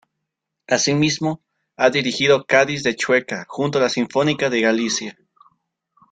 Así mismo, ha dirigido Cádiz de Chueca junto a la Sinfónica de Galicia.